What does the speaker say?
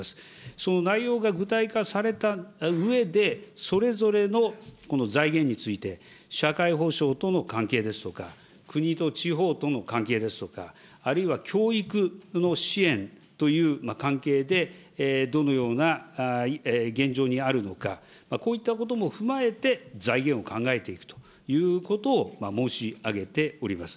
その内容が具体化されたうえで、それぞれの財源について、社会保障との関係ですとか、国と地方との関係ですとか、あるいは教育の支援という関係で、どのような現状にあるのか、こういったことも踏まえて、財源を考えていくということを申し上げております。